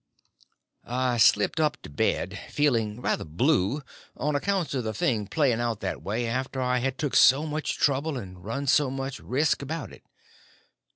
I slipped up to bed, feeling ruther blue, on accounts of the thing playing out that way after I had took so much trouble and run so much resk about it.